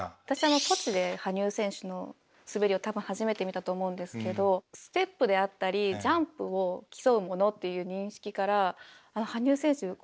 私ソチで羽生選手の滑りを多分初めて見たと思うんですけどステップであったりジャンプを競うものっていう認識から羽生選手